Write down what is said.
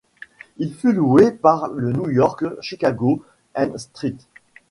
Il fut loué par le New York, Chicago and St.